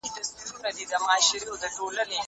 کېدای سي ږغ کم وي!؟